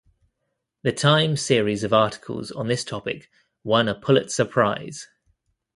"The Times" series of articles on this topic won a Pulitzer Prize.